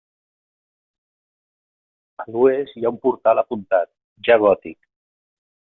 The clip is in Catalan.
A l'oest hi ha un portal apuntat, ja gòtic.